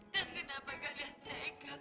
dan kenapa kalian tegak